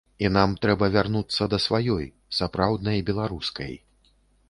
І нам трэба вярнуцца да сваёй, сапраўднай беларускай.